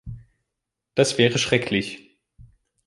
Das wäre schrecklich.